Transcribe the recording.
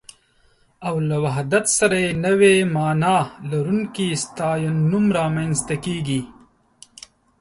او له وحدت سره يې نوې مانا لرونکی ستاينوم رامنځته کېږي